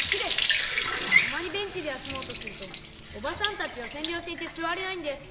たまにベンチで休もうとするとおばさんたちがせん領していてすわれないんです。